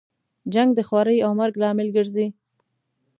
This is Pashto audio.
جنګ د خوارۍ او مرګ لامل ګرځي.